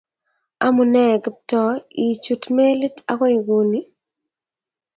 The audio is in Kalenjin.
Amune Kiptooo ichut melit agoi guni?